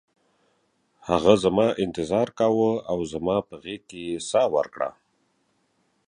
هغه زما انتظار کاوه او زما په غیږ کې یې ساه ورکړه